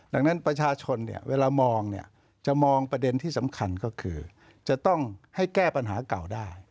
ดังนั้นประชาชนเนี่ยเวลามองเนี่ยจะมองประเด็นที่สำคัญก็คือจะต้องให้แก้ปัญหาเก่าได้